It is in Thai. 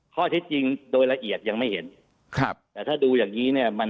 ข้อเท็จจริงโดยละเอียดยังไม่เห็นครับแต่ถ้าดูอย่างงี้เนี่ยมัน